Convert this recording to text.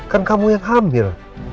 kan kamu yang hamil